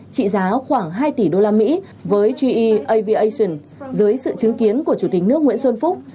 trị giá khoảng hai tỷ đô la mỹ với ge aviation dưới sự chứng kiến của chủ tịch nước nguyễn xuân phúc